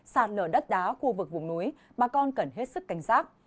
sạt lở đất đá khu vực vùng núi bà con cần hết sức cảnh giác